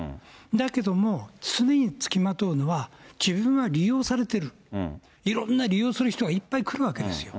だけども、常に付きまとうのは、自分は利用されている、いろんな利用する人がいっぱい来るわけですよ。